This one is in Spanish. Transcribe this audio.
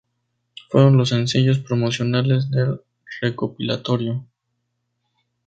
Fueron los sencillos promocionales del recopilatorio.